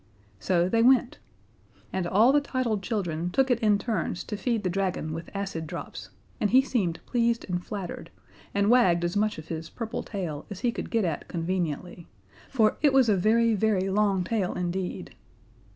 So they went. And all the titled children took it in turns to feed the dragon with acid drops, and he seemed pleased and flattered, and wagged as much of his purple tail as he could get at conveniently; for it was a very, very long tail indeed.